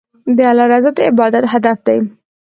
د الله رضا د عبادت هدف دی.